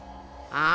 ああ？